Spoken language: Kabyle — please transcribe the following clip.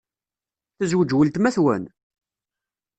Tezweǧ weltma-twen?